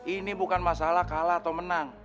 ini bukan masalah kalah atau menang